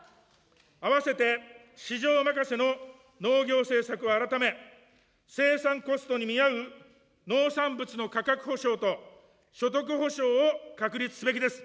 合わせて市場任せの農業政策を改め、生産コストに見合う農産物の価格保障と所得補償を確立すべきです。